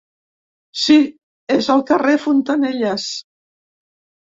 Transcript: Si, és el carrer Fontanelles.